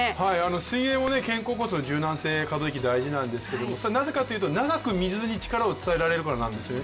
水泳も肩甲骨の柔軟性、大事なんですけどなぜかというと長く水に力を伝えられるからなんですね。